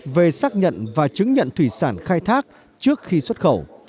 về xác nhận và chứng nhận thủy sản khai thác trước khi xuất khẩu